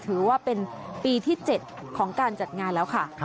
ถือว่าเป็นปีที่๗ของการจัดงานแล้วค่ะ